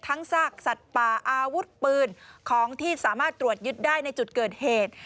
ซากสัตว์ป่าอาวุธปืนของที่สามารถตรวจยึดได้ในจุดเกิดเหตุ